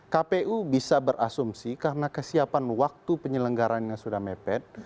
kpu bisa berasumsi karena kesiapan waktu penyelenggarannya sudah mepet